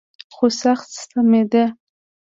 خو سخت ستمېده.